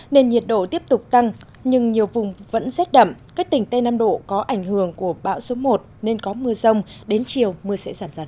nên nhiệt độ tiếp tục tăng nhưng nhiều vùng vẫn rét đậm các tỉnh tây nam độ có ảnh hưởng của bão số một nên có mưa rông đến chiều mưa sẽ giảm dần